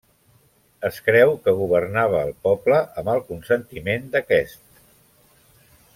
Es creu que governava el poble amb el consentiment d'aquest.